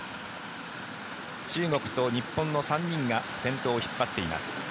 中国と日本の３人が先頭を引っ張っています。